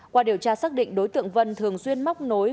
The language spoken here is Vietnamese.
qua điều tra xác định đối tượng vân thường xuyên móc nối